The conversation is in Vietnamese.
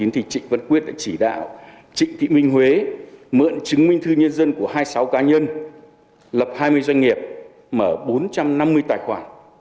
trịnh văn quyết đã chỉ đạo trịnh thị minh huế mượn chứng minh thư nhân dân của hai mươi sáu cá nhân lập hai mươi doanh nghiệp mở bốn trăm năm mươi tài khoản